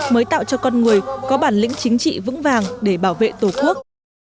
mới tạo cho con người có bản lĩnh chính trị vững vàng để bảo vệ tổ quốc